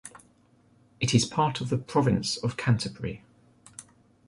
It is part of the Province of Canterbury.